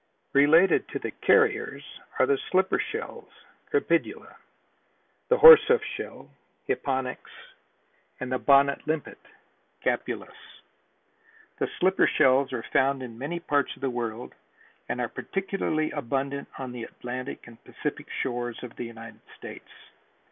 Related to the "carriers" are the slipper shells (Crepidula), the horse hoof shell (Hipponyx) and the bonnet limpet (Capulus). The slipper shells are found in many parts of the world and are particularly abundant on the Atlantic and Pacific shores of the United States.